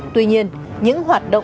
tuy nhiên những hoạt động